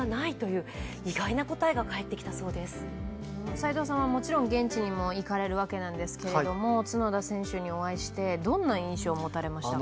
斎藤さんはもちろん現地にも行かれるわけですけども、角田選手にお会いしてどんな印象を持たれましたか？